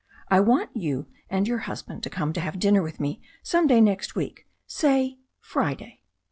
I want you and your hus band to come to have dinner with me some day next week, say Friday."